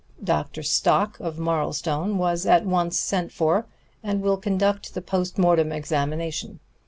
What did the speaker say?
Dr. Stock, of Marlstone, was at once sent for, and will conduct the post mortem examination.